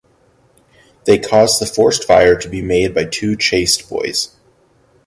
They caused the forced fire to be made by two chaste boys.